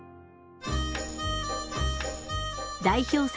代表作